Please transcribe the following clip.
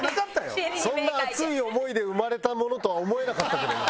そんな熱い思いで生まれたものとは思えなかったけどな。